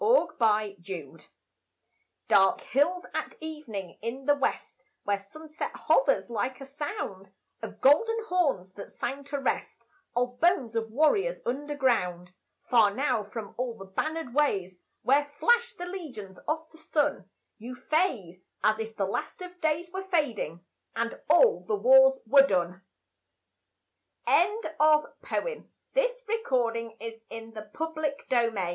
The Dark Hills Dark hills at evening in the west, Where sunset hovers like a sound Of golden horns that sang to rest Old bones of warriors under ground, Far now from all the bannered ways Where flash the legions of the sun, You fade as if the last of days Were fading, and all wars were done. The Three Taverns When the brethren heard of us, the